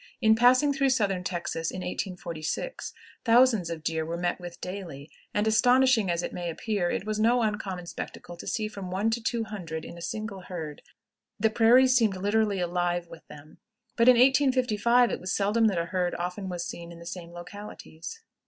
In passing through Southern Texas in 1846, thousands of deer were met with daily, and, astonishing as it may appear, it was no uncommon spectacle to see from one to two hundred in a single herd; the prairies seemed literally alive with them; but in 1855 it was seldom that a herd often was seen in the same localities.